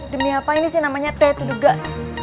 demi apa ini sih namanya teh tudegak